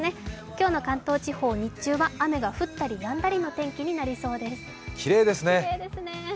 今日の関東地方、日中は雨が降ったりやんだりの天気になりそうです。